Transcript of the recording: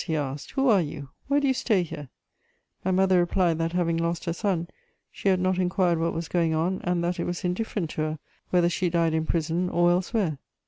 he asked. "Who are you? Why do you stay here?" My mother replied that, having lost her son, she had not inquired what was going on, and that it was indifferent to her whether she died in prison or elsewhere.